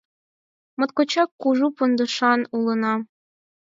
Моткочак кужу пондашан улына...